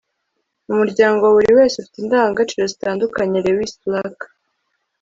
umuryango wa buri wese ufite indangagaciro zitandukanye. - lewis black